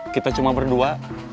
kita cuma berdua